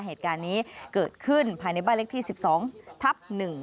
เหตุการณ์นี้เกิดขึ้นภายในบ้านเล็กที่๑๒ทับ๑